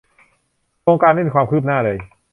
โครงการไม่มีความคืบหน้าเลย